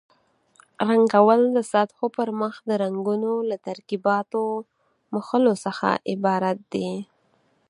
رنګول د سطحو پرمخ د رنګونو له ترکیباتو مښلو څخه عبارت دي.